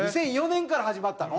２００４年から始まったの？